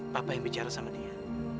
papa yang bicara sama dia